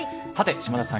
島田さん